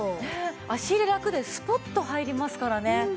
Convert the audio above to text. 足入れラクでスポッと入りますからね。